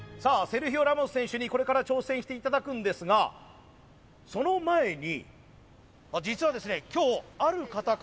セルヒオ・ラモス選手にこれから挑戦していただくんですがその前に実はですね